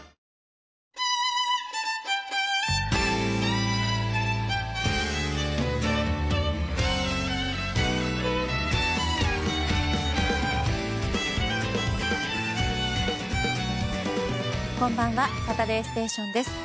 「サタデーステーション」です。